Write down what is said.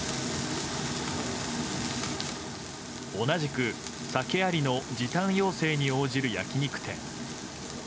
同じく、酒ありの時短要請に応じる焼き肉店。